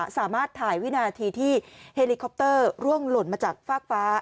สามารถถ่ายวินาทีที่เฮลิคอปเตอร์ร่วงหล่นมาจากฟากฟ้า